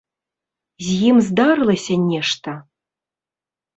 З ім здарылася нешта?